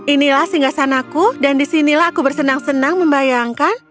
inilah singgah sanaku dan disinilah aku bersenang senang membayangkan